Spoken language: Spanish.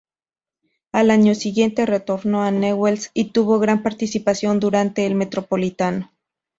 Al año siguiente retornó a Newell's y tuvo gran participación durante el Metropolitano.